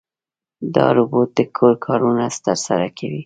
دا روبوټ د کور کارونه ترسره کوي.